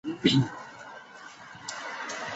协议直到月底并无进展。